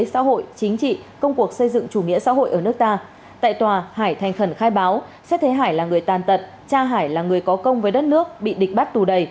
xã hội chính trị công cuộc xây dựng chủ nghĩa xã hội ở nước ta